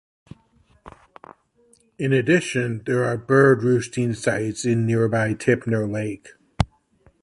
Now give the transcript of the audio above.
In addition, there are bird roosting sites in nearby Tipner Lake.